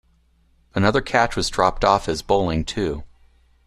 Another catch was dropped off his bowling too.